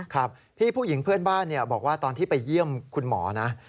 ครับพี่ผู้หญิงเพื่อนบ้านบอกว่าตอนที่ไปเยี่ยมคุณหมอนะ